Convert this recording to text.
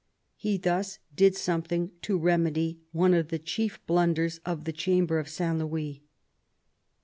He thus did something to remedy one of the chief blunders of the Chamber of St. Louis.